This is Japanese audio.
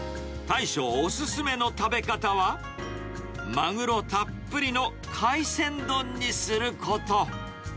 大将お勧めの食べ方は、マグロたっぷりの海鮮丼にすること。